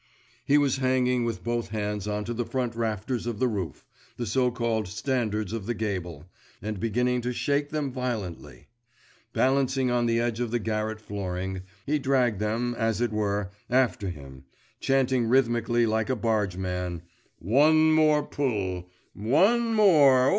He was hanging with both hands on to the front rafters of the roof, the so called standards of the gable, and beginning to shake them violently. Balancing on the edge of the garret flooring, he dragged them, as it were, after him, chanting rhythmically like a bargeman, 'One more pull! one more!